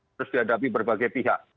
terus dihadapi berbagai pihak